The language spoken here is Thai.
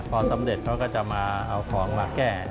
พอสำเร็จเขาก็จะมาเอาของมาแก้